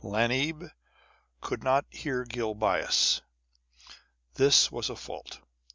Lamb could not bear Gil Bias. This was a fault.